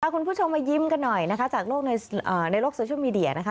คุณผู้ชมมายิ้มกันหน่อยนะคะจากในโลกโซเชียลมีเดียนะคะ